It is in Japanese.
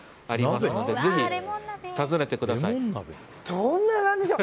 どんななんでしょう。